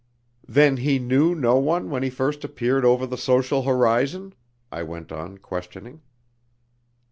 "Then he knew no one when he first appeared over the social horizon?" I went on questioning.